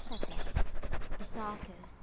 FETTER. Ithaca, N.